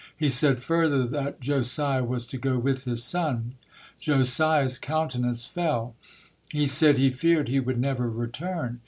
He said further that Josiah was to go with his son. Josiah's countenance fell. He said he feared he would never return.